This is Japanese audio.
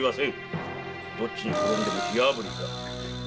どっちに転んでも火焙りだ。